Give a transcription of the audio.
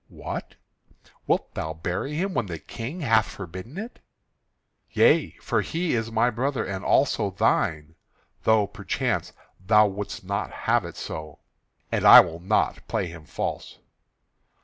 "What? Wilt thou bury him when the King hath forbidden it?" "Yea, for he is my brother and also thine, though, perchance, thou wouldst not have it so. And I will not play him false."